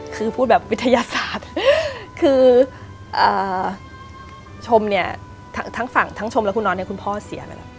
คือพูดแบบวิทยาศาสตร์คือชมเนี่ยทั้งฝั่งทั้งชมและคุณนอนเนี่ยคุณพ่อเสียแล้วนะ